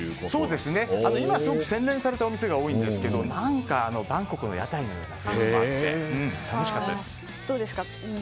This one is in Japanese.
今、すごく洗練されたお店が多いんですけどバンコクの屋台のような感じもあり面白かったです。